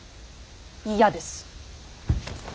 嫌です。